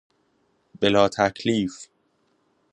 بلاتکلیف